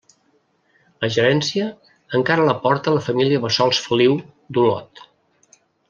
La gerència encara la porta la família Bassols Feliu, d'Olot.